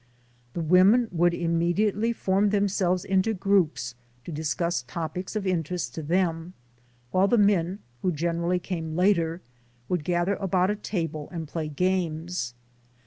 The women would immediately form themselves into groups to discuss topics of interest to them, while the men, who generally came later, would gather about a table and play games.